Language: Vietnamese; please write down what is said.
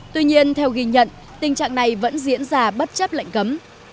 tuy nhiên theo ghi nhận tình trạng này vẫn diễn ra bất chấp lệnh cấm